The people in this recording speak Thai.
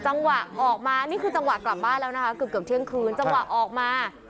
จังหวะออกมานี่คือจังหวะกลับบ้านแล้วนะคะเกือบเที่ยงคืนจังหวะออกมา